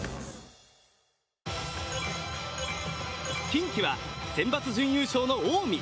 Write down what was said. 近畿は、センバツ準優勝の近江。